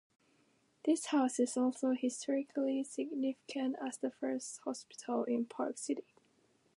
This house is also historically significant as the first hospital in Park City.